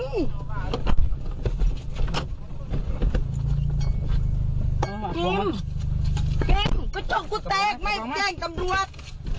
กิมกิมโจ๊กกูแตกไหมแก้งกำรวจ